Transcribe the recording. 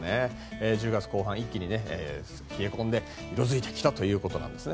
１０月後半、一気に冷え込んで色づいてきたということです。